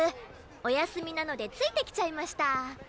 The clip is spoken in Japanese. お休みなのでついて来ちゃいました。